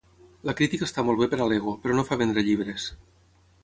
La crítica està molt bé per a l'ego, però no fa vendre llibres.